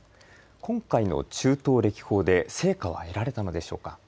今回の中東歴訪で、成果は得られたのでしょうか。